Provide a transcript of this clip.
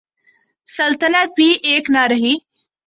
سلطنت بھی ایک نہ رہی۔